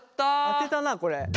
当てたなこれ。